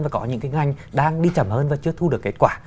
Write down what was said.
và có những cái ngành đang đi chậm hơn và chưa thu được kết quả